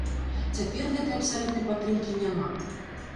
Цяпер гэтай абсалютнай падтрымкі няма.